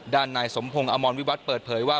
นายสมพงศ์อมรวิวัตรเปิดเผยว่า